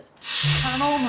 頼む。